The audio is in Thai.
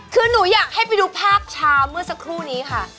คือหนูอยากให้ไปดูภาพเช้าเมื่อสักครู่นี้ค่ะ